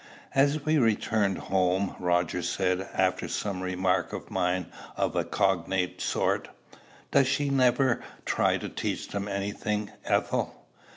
As we returned home, Roger said, after some remark of mine of a cognate sort, "Does she never try to teach them any thing, Ethel?"